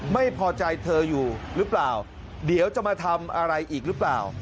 ไม่พอใจเธออยู่หรือเปล่าเดี๋ยวจะมาทำอะไรอีกหรือเปล่า